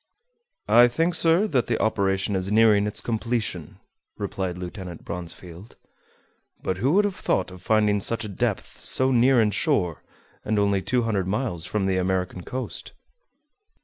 "I think, sir, that the operation is nearing its completion," replied Lieutenant Bronsfield. "But who would have thought of finding such a depth so near in shore, and only 200 miles from the American coast?"